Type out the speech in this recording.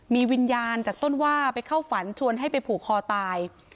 มีวิญญาณจากต้นว่าไปเข้าฝันชวนให้ไปผูกคอตาย